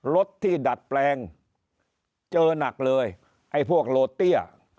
รถที่ดัดแปลงเจอหนักเลย